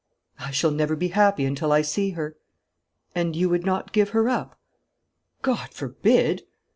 'I shall never be happy until I see her.' 'And you would not give her up?' 'God forbid!'